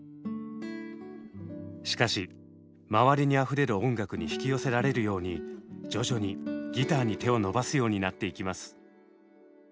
しかし周りにあふれる音楽に引き寄せられるように徐々にギターに手を伸ばすようになっていきます。